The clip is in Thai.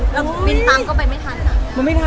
แล้วบินตังก็ไปไม่ทันอ่ะ